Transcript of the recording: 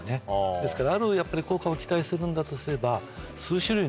ですからある効果を期待するんだとすれば。